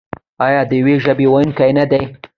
آیا د یوې ژبې ویونکي نه دي؟